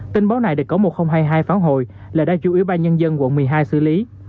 tin báo này để cổng một nghìn hai mươi hai phán hồi là đã chủ yếu ban nhân dân quận một mươi hai xử lý